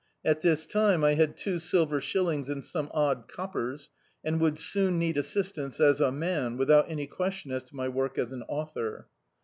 At this time I had two silver shillings and some odd coppers, and would soon need assistance as a man, without any question as to my work as an author.